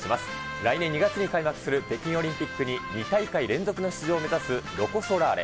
来年２月に開幕する北京オリンピックに２大会連続の出場を目指すロコ・ソラーレ。